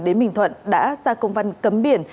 đến bình thuận đã ra công văn cấm biển